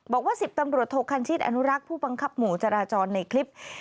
บอกว่า๑๐ตำรวจโทคันชิตอนุรักษ์ผู้บังคับหมู่จราจรในคลิป